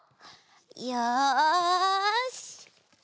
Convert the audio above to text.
よし！